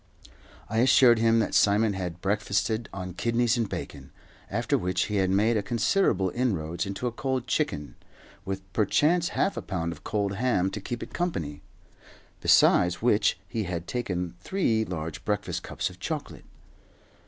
I assured him that Simon had breakfasted on kidneys and bacon; after which he had made considerable inroads into a cold chicken, with perchance half a pound of cold ham to keep it company. Besides which, he had taken three large breakfast cups of chocolate.